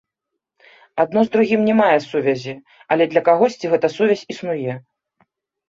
Адно з другім не мае сувязі, але для кагосьці гэта сувязь існуе.